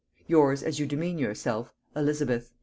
"Yours as you demean yourself, "ELIZABETH."